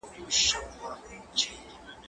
زه به سبا سیر کوم!.